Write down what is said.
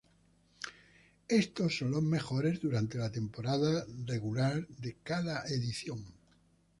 Estos son los mejores durante la temporada regular de cada edición.